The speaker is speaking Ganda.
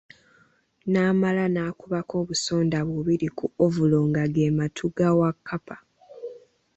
N'amala n'akubako obusonda bubiri ku ovolo nga ge matu ga Wakkapa.